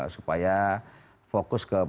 supaya fokus ke persoal